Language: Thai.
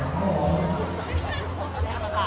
ท้องมือค่ะ